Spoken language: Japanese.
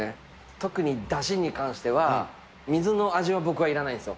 特にだしに関しては、水の味は僕はいらないんですよ。